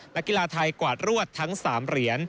นักกีฬาไทยกวาดรวดทั้ง๓เหรียญ